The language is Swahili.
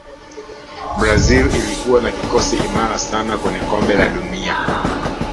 brazil ilikuwa na kikosi imara sana kwenye kombe la dunia